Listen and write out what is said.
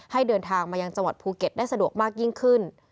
เดินทางมายังจังหวัดภูเก็ตได้สะดวกมากยิ่งขึ้น